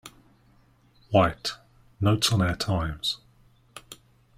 White: Notes on our Times.